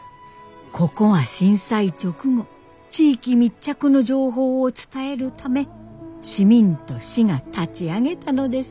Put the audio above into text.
ここは震災直後地域密着の情報を伝えるため市民と市が立ち上げたのです。